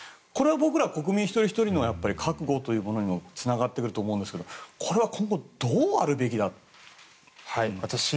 これを僕ら国民一人ひとりの覚悟というものにもつながってると思うんですけどこれは今後どうあるべきだと。